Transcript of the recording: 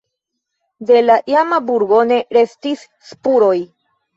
De la iama burgo ne restis spuroj.